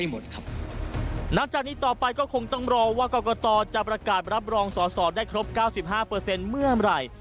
มองสอดได้ครบ๙๕เมื่อไหร่